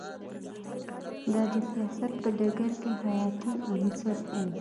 دا د سیاست په ډګر کې حیاتی عنصر و